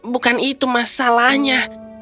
bukan itu masalahnya